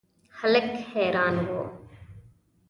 هلک حیران و.